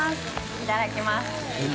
いただきます。